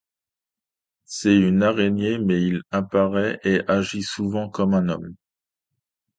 C'est une araignée, mais il apparaît et agit souvent comme un homme.